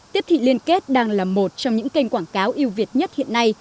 tiếp thị liên kết đang là một trong những kênh quảng cáo yêu việt nhất hiện nay